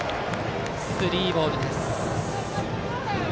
スリーボールです。